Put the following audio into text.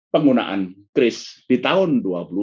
penggunaan kris di tahun